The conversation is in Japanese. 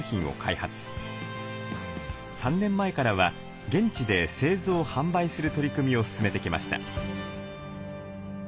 ３年前からは現地で製造販売する取り組みを進めてきました。